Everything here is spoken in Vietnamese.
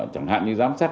chẳng hạn như giám sát